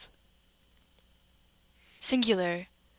Singular.